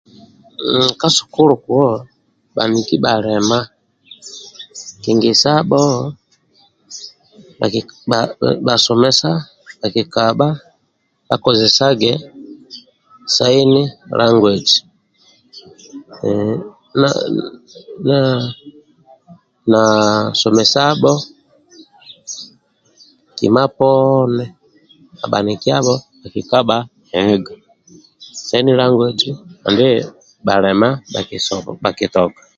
Ka sukulu kuwo bhaniki bhalema kingesabho bhasomesa kikabha bhakozesage sign language na somesabho kima poni bhanikiabho bhakikabha ega sign language ndia bhalema bhakitoka.